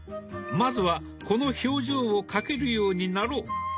まずはこの表情を描けるようになろう。